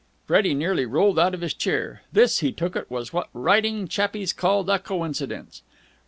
Freddie nearly rolled out of his chair. This, he took it, was what writing chappies called a coincidence.